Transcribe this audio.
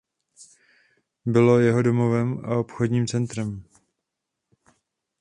Bylo jeho domovem a obchodním centrem.